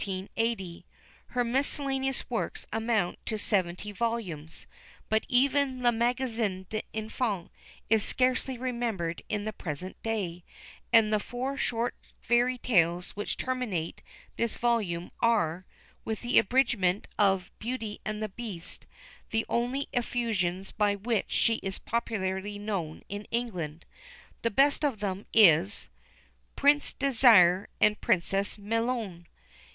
Her miscellaneous works amount to seventy volumes; but even Le Magazin des Enfans is scarcely remembered in the present day, and the four short fairy tales which terminate this volume are, with the abridgment of Beauty and the Beast, the only effusions by which she is popularly known in England. The best of them is PRINCE DÉSIR AND PRINCESS MIGNONE.